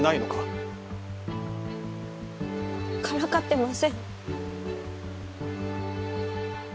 からかってません。